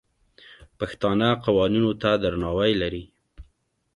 پښتانه قوانینو ته درناوی لري.